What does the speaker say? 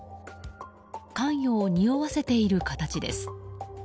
関与をにおわせている形です。